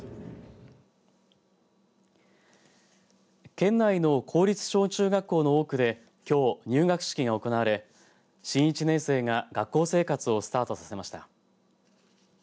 県内の公立小中学校の多くできょう入学式が行われ新１年生が学校生活をスタートさせました。